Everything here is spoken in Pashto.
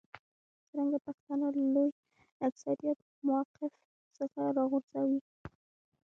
څرنګه پښتانه له لوی اکثریت موقف څخه راوغورځوي.